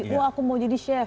wah aku mau jadi chef